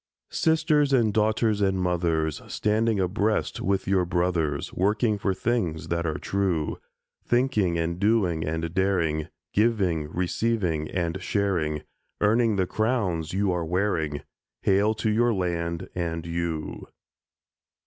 Sisters and daughters and mothers, Standing abreast with your brothers, Working for things that are true; Thinking and doing and daring, Giving, receiving, and sharing, Earning the crowns you are wearing— Hail to your land and you!